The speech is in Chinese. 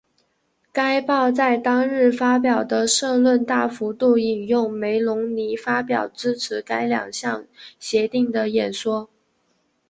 该报在当日发表的社论大幅度引用梅隆尼发表支持该两项协定的演说。